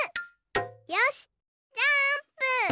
よしジャーンプ！